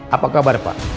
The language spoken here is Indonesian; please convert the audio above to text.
apa kabar pak